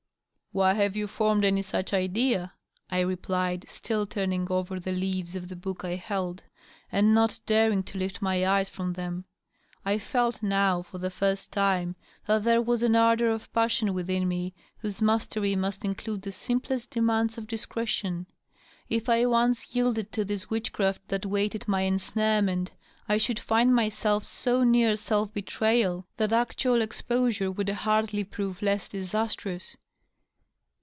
" Why have you formed any such idea ?" I replied, still turning over the leaves of the book I held, and not daring to lift my eyes from them. I felt now, for the first time, that there was^n ardor of passion within me whose mastery must include the simplest demands of discretion. If I once yielded to this witchcraft that waited my ensnarement, I should find myself so near self betrayal that actual exposure would hardly prove less disastrous.